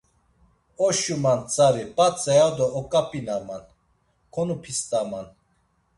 Oşuman tzari, p̌atza ya do oǩap̌inaman, konup̌ist̆aman.